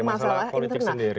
semuanya masalah internal